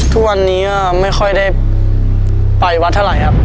ทุกวันนี้ก็ไม่ค่อยได้ไปวัดเท่าไหร่ครับ